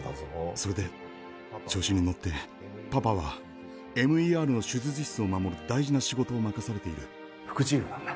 それで調子に乗ってパパは ＭＥＲ の手術室を守る大事な仕事を任されている副チーフなんだ